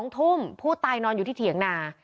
๒ทุ่มผู้ตายนอนอยู่ที่เถียงนา